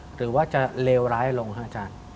หรือว่าจะเลวร้ายลงฮะอาจารย์